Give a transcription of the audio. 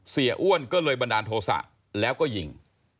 อ้วนก็เลยบันดาลโทษะแล้วก็ยิง